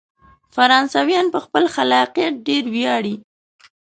فرانسویان په خپل خلاقیت ډیر ویاړي.